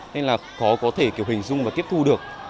nên là khó có thể kiểu hình dung và tiếp thu được